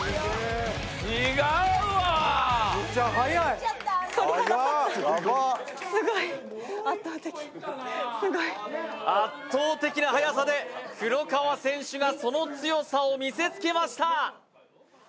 違うわメッチャ速い速ヤバすごい圧倒的な速さで黒川選手がその強さを見せつけました